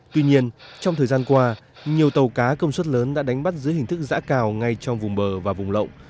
tuy nhiên trong thời gian qua nhiều tàu cá công suất lớn đã đánh bắt dưới hình thức giã cào ngay trong vùng bờ và vùng lộng